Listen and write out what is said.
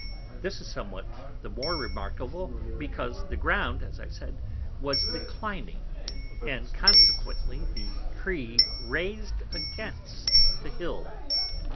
This is somewhat the more remarkable, because the Ground (as I said) was declining, and consequently the Tree raised against the Hill.